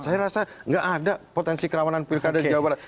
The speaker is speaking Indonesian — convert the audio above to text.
saya rasa nggak ada potensi kerawanan pilkada jawa barat